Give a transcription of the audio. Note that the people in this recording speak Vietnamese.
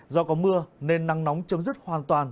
do có mưa nên nắng nóng chấm dứt hoàn toàn